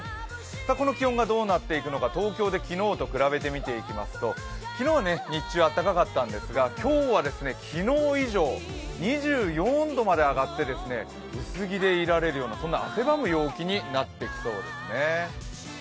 この気温がどうなっていくのか東京で昨日と比べて見ていきますと昨日は日中、あったかかったんですが今日は昨日以上、２４度まで上がって薄着でいられる、そんな汗ばむ陽気になっていきそうですね。